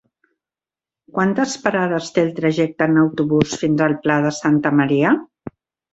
Quantes parades té el trajecte en autobús fins al Pla de Santa Maria?